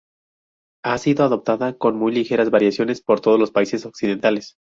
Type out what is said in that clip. Ha sido adoptada, con muy ligeras variaciones, por todos los países occidentales.